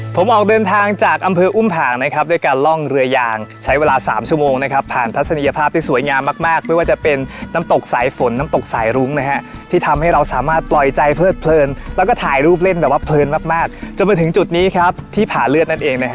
ผมออกเดินทางจากอำเภออุ้มผ่างนะครับด้วยการล่องเรือยางใช้เวลา๓ชั่วโมงนะครับผ่านทัศนียภาพที่สวยงามมากมากไม่ว่าจะเป็นน้ำตกสายฝนน้ำตกสายรุ้งนะฮะที่ทำให้เราสามารถปล่อยใจเลิดเพลินแล้วก็ถ่ายรูปเล่นแบบว่าเพลินมากมากจนมาถึงจุดนี้ครับที่ผ่าเลือดนั่นเองนะฮะ